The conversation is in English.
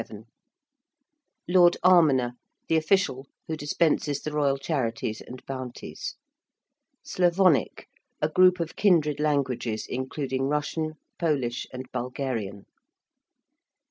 ~Lord Almoner~: the official who dispenses the royal charities and bounties. ~Slavonic~: a group of kindred languages, including Russian, Polish, and Bulgarian.